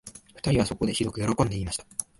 二人はそこで、ひどくよろこんで言いました